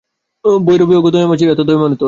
ভৈরবী ওগো দয়াময়ী চোর, এত দয়া মনে তোর!